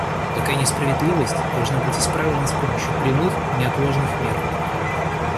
Такая несправедливость должна быть исправлена с помощью прямых и неотложных мер.